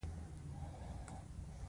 وزې له کوچنیانو سره مینه لري